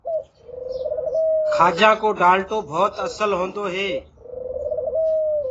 کآجآنٚ ڪو ڊآلٽو ڀوت اسل هوندو هي۔